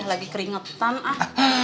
ih lagi keringetan ah